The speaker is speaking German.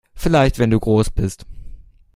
Vielleicht wenn du groß bist!